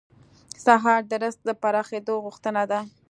سهار د رزق د پراخېدو غوښتنه ده.